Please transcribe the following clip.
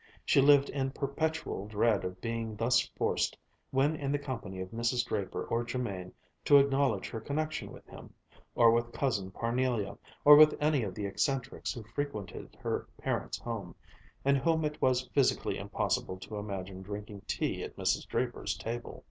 She lived in perpetual dread of being thus forced, when in the company of Mrs. Draper or Jermain, to acknowledge her connection with him, or with Cousin Parnelia, or with any of the eccentrics who frequented her parents' home, and whom it was physically impossible to imagine drinking tea at Mrs. Draper's table.